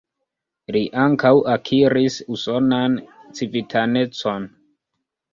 Li ankaŭ akiris usonan civitanecon.